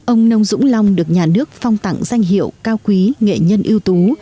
ông nông dũng long được nhà nước phong tặng danh hiệu cao quý nghệ nhân ưu tú